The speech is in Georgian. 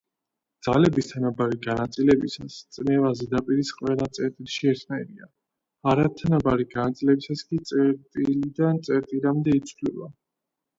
ძალების თანაბარი განაწილებისას წნევა ზედაპირის ყველა წერტილში ერთნაირია, არათანაბარი განაწილებისას კი წერტილიდან წერტილამდე იცვლება.